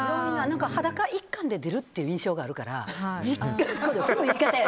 裸一貫で出るって印象があるから。